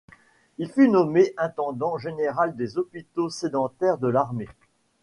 Il fut nommé intendant général des hôpitaux sédentaires de l'armée.